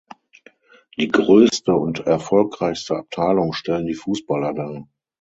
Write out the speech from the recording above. Die größte und erfolgreichste Abteilung stellen die Fußballer dar.